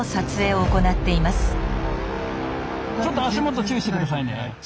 ちょっと足元注意して下さいね。